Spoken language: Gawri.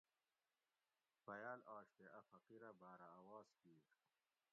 بیاۤل آش تے اۤ فقیر اۤ باۤرہ اواز کِیر